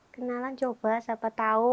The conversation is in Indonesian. kenalan coba siapa tau